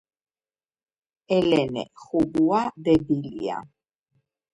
ელენე ხუბუა დებილია